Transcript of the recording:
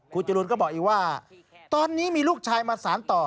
ครูจิรวชบอกว่าตอนนี้มีลูกชายมาสานต่อ